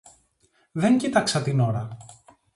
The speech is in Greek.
Δεν κοίταξα την ώρα